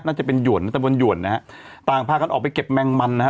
น่าจะเป็นหยวนตะบนหยวนนะฮะต่างพากันออกไปเก็บแมงมันนะฮะ